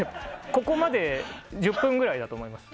ここまで１０分ぐらいだと思います。